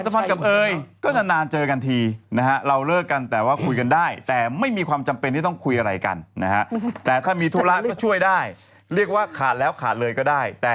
ป้องแอบป้องนี่บางทีเป็นกันใช่หรือเปล่า